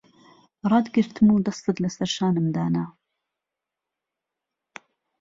ڕاتگرتم و دەستت لەسەر شانم دانا...